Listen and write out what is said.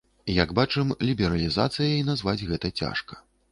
Як бачым, лібералізацыяй назваць гэта цяжка.